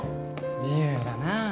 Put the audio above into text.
自由だなぁ